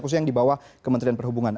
khususnya yang di bawah kementerian perhubungan